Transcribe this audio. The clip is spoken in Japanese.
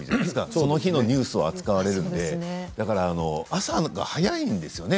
その日のニュースを扱われるので朝が早いんですよね。